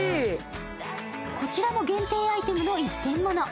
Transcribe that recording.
こちらも限定アイテムの１点もの。